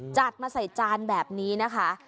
จัดมาใส่จานแบบนี้นะคะ